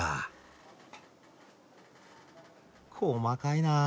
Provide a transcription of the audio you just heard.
細かいなあ。